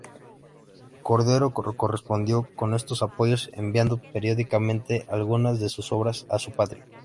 Cordero correspondió con estos apoyos enviando periódicamente algunas de sus obras a su patria.